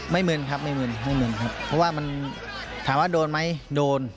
มึนครับไม่มึนไม่มึนครับเพราะว่ามันถามว่าโดนไหมโดน